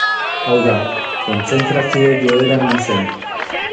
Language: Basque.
Hau da, kontzentrazio-joera eman zen.